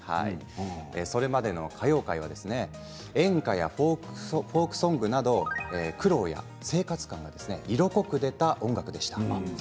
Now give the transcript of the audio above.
それまでの歌謡界は演歌やフォークソングなど苦労や生活感が色濃く出た音楽でした。